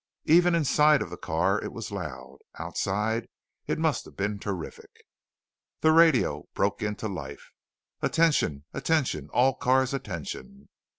Even inside of the car it was loud; outside it must have been terrific. The radio broke into life: "Attention! Attention! All cars Attention!"